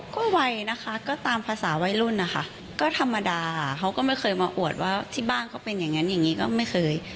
ก็วัยนะคะก็ตามภาษาวัยรุ่นนะคะก็ธรรมดาเขาก็ไม่เคยมาอวดว่าที่บ้านเขาเป็นอย่างนั้นอย่างนี้ก็ไม่เคย